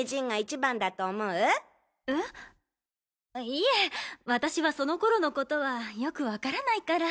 いえ私はその頃のことはよく分からないから。